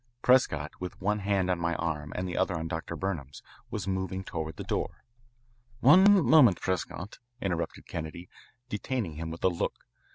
Prescott, with one hand on my arm and the other on Dr. Burnham's, was moving toward the door. "One moment, Prescott," interrupted Kennedy, detaining him with a look.